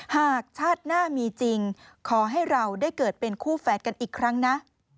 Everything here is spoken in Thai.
หากชาติหน้ามีจริงขอให้เราได้เกิดเป็นคู่แฝดกันอีกครั้งนะ